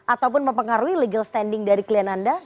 ataupun mempengaruhi legal standing dari klien anda